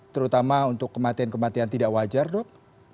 terutama untuk kematian kematian tidak wajar dok